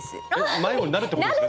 迷子になるってことですね。